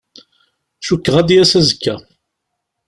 Cukkeɣ ad d-yas azekka.